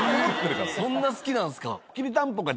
そんな好きなんすか？